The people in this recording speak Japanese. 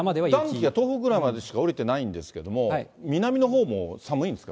暖気が東北ぐらいまでしか下りてないんですけれども、南のほうも寒いんですか？